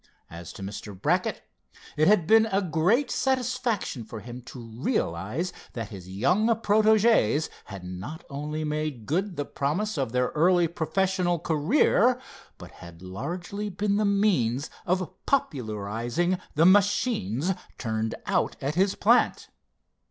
As to Mr. Brackett, it had been a great satisfaction for him to realize that his young protégés had not only made good the promise of their early professional career, but had largely been the means of popularizing the machines turned out at his plant.